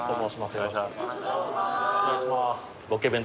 よろしくお願いします。